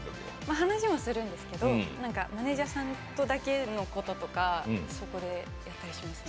話もするんですけどマネージャーさんとだけのこととかそこでやったりしますね。